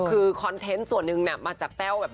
คือคอนเทนต์ส่วนนึงมาจากเต้า